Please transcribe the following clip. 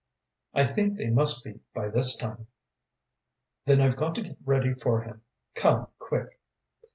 "I think they must be by this time." "Then I've got to get ready for him. Come, quick."